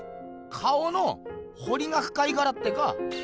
顔のほりがふかいからってか？